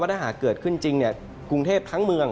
ว่าถ้าหากเกิดขึ้นจริงเนี่ยกรุงเทพฯทั้งเมือง